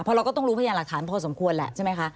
เพราะเราก็ต้องรู้พยานหลักฐานพอสมควรแหละใช่ไหมคะ